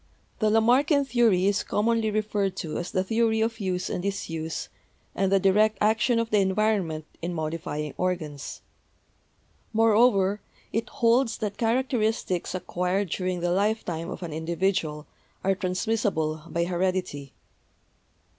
The Lamarckian theory is com monly referred to as the theory of use and disuse and FACTORS OTHER THAN SELECTION 227 the direct action of the environment in modifying organs. Moreover, it holds that characteristics acquired during the lifetime of an individual are transmissible by heredity.